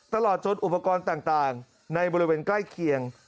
ตลอดจนอุปกรณ์ต่างในบริเวณใกล้เคียง